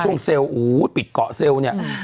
ช่วงเซลปิดเกาะเซลเนี่ย